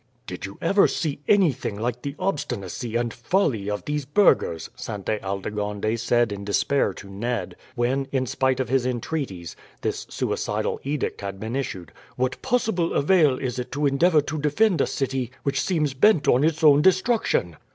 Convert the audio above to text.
"Did you ever see anything like the obstinacy and folly of these burghers?" Sainte Aldegonde said in despair to Ned, when, in spite of his entreaties, this suicidal edict had been issued. "What possible avail is it to endeavour to defend a city which seems bent on its own destruction?"